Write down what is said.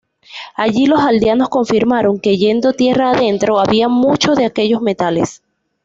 Allí los aldeanos confirmaron que yendo tierra adentro, había muchos de aquellos metales.